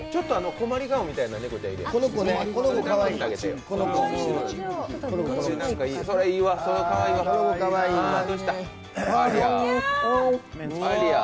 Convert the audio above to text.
困り顔みたいな猫ちゃんいるやん。